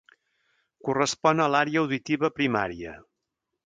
Correspon a l'àrea auditiva primària.